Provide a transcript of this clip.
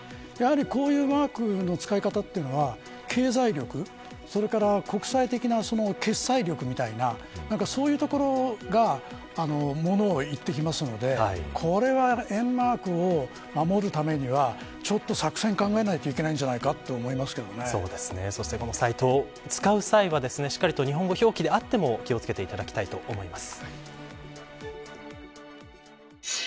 こういうマークの使い方は経済力それから国際的な決済力みたいなそういうところが物をいってくるのでこれは、円マークを守るためには作戦をこのサイトを使う際はしっかりと日本語表記であっても気を付けていただきたいと思います。